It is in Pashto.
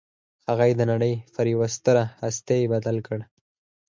هغه يې د نړۍ پر يوه ستره هستي بدل کړ.